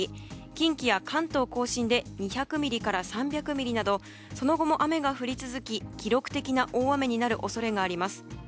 近畿や関東・甲信で２００ミリから３００ミリなどその後も雨が降り続き記録的な大雨になる恐れがあります。